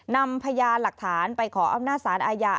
นำพยานหลักฐานไปขออำนาจสารอาญา